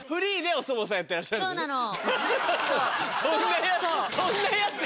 そうなの。